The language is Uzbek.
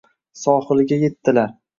Sohiliga yetdilar.